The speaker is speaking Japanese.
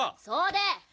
そうでえ